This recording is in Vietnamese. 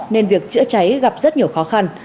nên việc chữa cháy gặp rất nhiều khó khăn